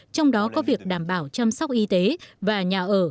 trong đó có việc đảm bảo chăm sóc y tế và nhà ở